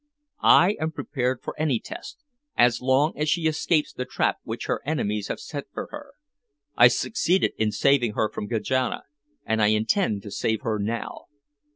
"I am prepared for any test, as long as she escapes the trap which her enemies have set for her. I succeeded in saving her from Kajana, and I intend to save her now."